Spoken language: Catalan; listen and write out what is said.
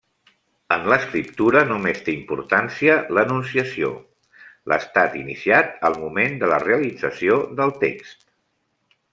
En l'escriptura només té importància l'enunciació, l'estat iniciat al moment de la realització del text.